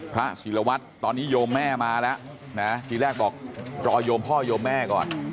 ศิลวัตรตอนนี้โยมแม่มาแล้วนะทีแรกบอกรอยมพ่อโยมแม่ก่อน